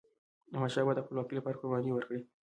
احمدشاه بابا د خپلواکی لپاره قرباني ورکړې.